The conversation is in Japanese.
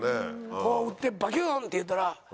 こう撃って「バキュン」って言ったら。